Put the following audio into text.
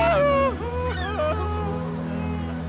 bajanya kesayangan mbak tenggelam